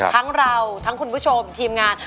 ทั้งเราทั้งคุณผู้ชมทีมงาน